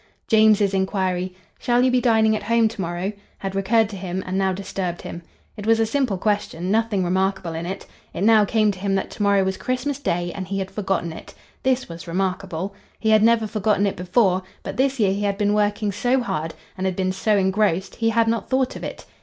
James's inquiry, "Shall you be dining at home to morrow?" had recurred to him and now disturbed him. It was a simple question; nothing remarkable in it. It now came to him that to morrow was Christmas Day, and he had forgotten it. This was remarkable. He had never forgotten it before, but this year he had been working so hard and had been so engrossed he had not thought of it.